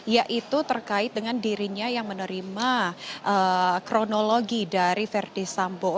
yaitu terkait dengan dirinya yang menerima kronologi dari verdi sambo